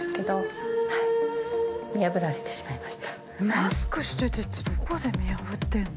マスクしててどこで見破ってるの？